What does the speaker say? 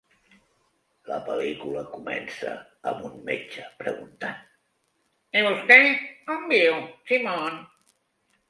La pel·lícula comença amb un metge preguntant. I vostè on viu Simon?